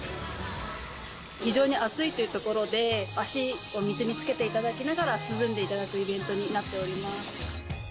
非常に暑いというところで、足を水につけていただきながら、涼んでいただくイベントになっております。